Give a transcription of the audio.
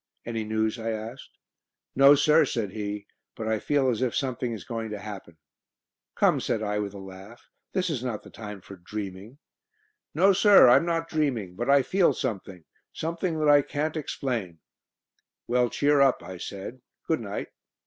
"Any news?" I asked. "No, sir," said he, "but I feel as if something is going to happen." "Come," said I, with a laugh, "this is not the time for dreaming." "No, sir, I'm not dreaming, but I feel something something that I can't explain." "Well, cheer up," I said. "Good night."